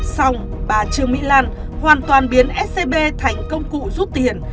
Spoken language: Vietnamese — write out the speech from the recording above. xong bà trương mỹ lan hoàn toàn biến scb thành công cụ rút tiền